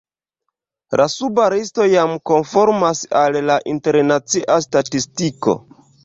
La suba listo jam konformas al la internacia statistiko.